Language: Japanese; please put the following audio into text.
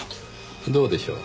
どうでしょう。